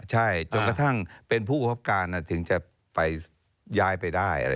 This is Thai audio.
ใช่จนกระทั่งเป็นผู้ประคับการถึงจะไปย้ายไปได้